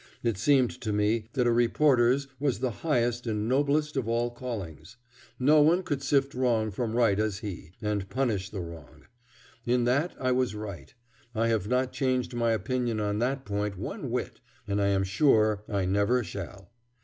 It seemed to me that a reporter's was the highest and noblest of all callings; no one could sift wrong from right as he, and punish the wrong. In that I was right. I have not changed my opinion on that point one whit, and I am sure I never shall.